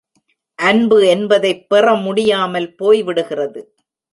அன்பு என்பதைப் பெற முடியாமல் போய்விடுகிறது.